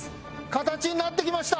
形になってきました。